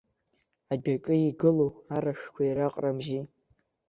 Адәаҿы игылоу арашқәа ираҟарамзи!